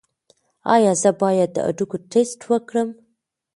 ایا زه باید د هډوکو ټسټ وکړم؟